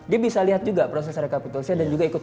dia bisa lihat juga proses rekapitusi dan juga ikut